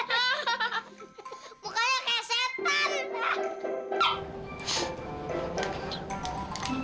malu tuh kampungan banget sih